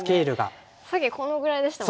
さっきこのぐらいでしたもんね黒。